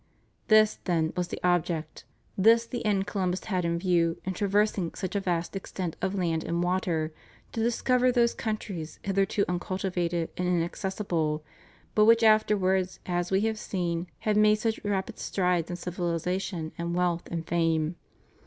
This, then, was the object, this the end Columbus had in view in traversing such a vast extent of land and water to discover those countries hitherto uncultivated and inaccessible, but which, afterwards, as we have seen, have made such rapid strides in civilization and wealth and fame.